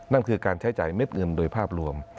นั่นคือการใช้จ่ายเม็ดเงินโดยภาพรวม